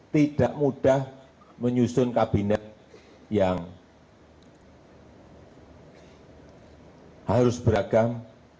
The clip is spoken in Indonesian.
tidak mudah menyusun kabinet yang harus beragam